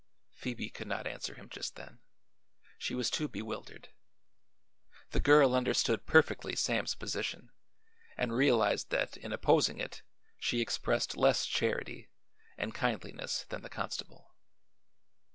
Phoebe could not answer him just then. She was too bewildered. The girl understood perfectly Sam's position and realized that in opposing it she expressed less charity and kindliness than the constable.